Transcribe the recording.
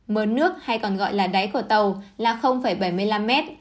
mớ nước hay còn gọi là đáy của tàu là bảy mươi năm mét